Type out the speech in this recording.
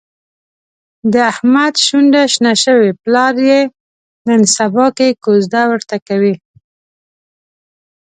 د احمد شونډه شنه شوې، پلار یې نن سباکې کوزده ورته کوي.